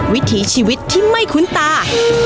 วิถีชีวิตที่ไม่คุ้นตา